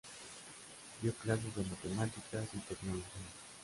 Dio clases de matemáticas y tecnología.